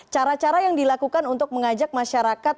cara cara yang dilakukan untuk mengajak masyarakat